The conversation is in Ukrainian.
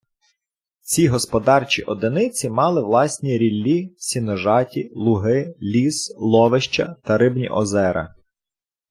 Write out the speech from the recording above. Ці господарчі одиниці мали власні ріллі, сіножаті, луги, ліс, ловища та рибні озера.